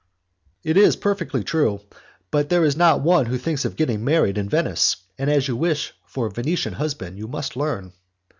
"It is perfectly true, but there is not one who thinks of getting married in Venice, and as you wish for a Venetian husband you must learn."